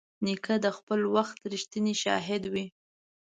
نیکه د خپل وخت رښتینی شاهد وي.